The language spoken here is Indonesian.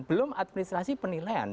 belum administrasi penilaian